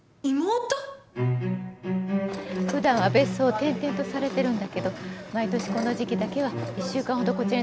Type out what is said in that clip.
普段は別荘を転々とされてるんだけど毎年この時季だけは１週間ほどこちらに滞在されてるのよ。